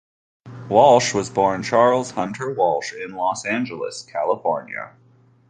Walsh was born Charles Hunter Walsh in Los Angeles, California.